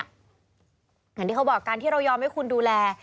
อย่างที่เขาบอกการที่เรายอมให้คุณดูแล